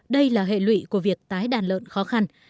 đây là hệ lụy của việc tái đàn lợn khó khăn